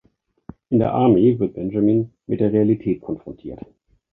In der Army wird Benjamin mit der Realität konfrontiert.